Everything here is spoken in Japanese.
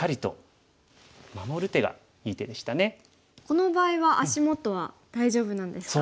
この場合は足元は大丈夫なんですか？